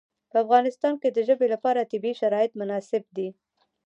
په افغانستان کې د ژبې لپاره طبیعي شرایط مناسب دي.